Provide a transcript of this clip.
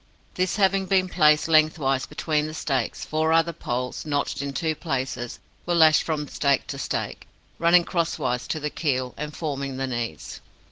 This having been placed lengthwise between the stakes, four other poles, notched in two places, were lashed from stake to stake, running crosswise to the keel, and forming the knees.